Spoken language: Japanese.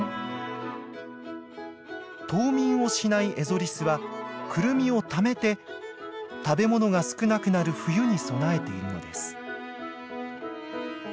冬眠をしないエゾリスはクルミをためて食べ物が少なくなる冬に備えているのです。